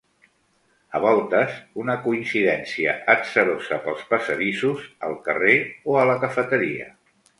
A voltes, una coincidència atzarosa pels passadissos, al carrer o a la cafeteria.